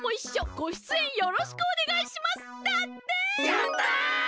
やった！